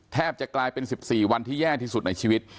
แทบจะกลายเป็น๑๔วันที่แย่ที่สุดในชีวิต